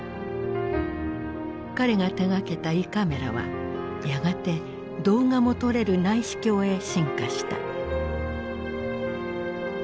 彼が手がけた胃カメラはやがて動画も撮れる内視鏡へ進化した。